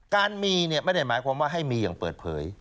การมีเนี่ยไม่ได้หมายความว่าให้มีอย่างเปิดเผย